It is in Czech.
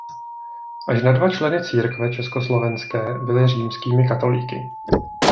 Až na dva členy církve československé byli římskými katolíky.